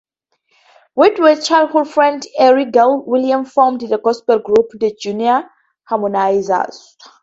With his childhood friend Earl Gainey, Williams formed the gospel group the Junior Harmonizers.